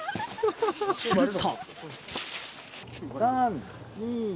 すると。